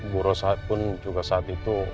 bu rosah pun juga saat itu